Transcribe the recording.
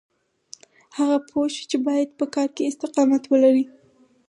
هغه پوه شو چې بايد په کار کې استقامت ولري.